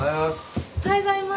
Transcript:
おはようございます。